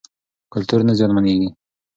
کلتور نه زیانمنېږي.